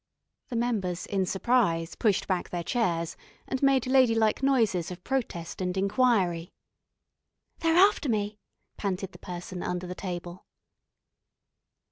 The members, in surprise, pushed back their chairs and made ladylike noises of protest and inquiry. "They're after me," panted the person under the table.